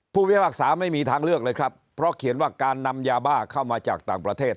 พิพากษาไม่มีทางเลือกเลยครับเพราะเขียนว่าการนำยาบ้าเข้ามาจากต่างประเทศ